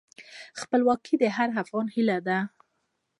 خپلواکي د هر افغان هیله ده.